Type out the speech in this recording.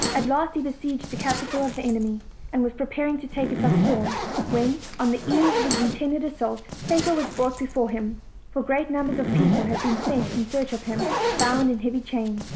At last he besieged the capital of the enemy, and was preparing to take it by storm, when, on the eve of the intended assault, Fatal was brought before him (for great numbers of people bad been sent in search of nim), bound in heavy chains.